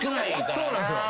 そうなんですよ。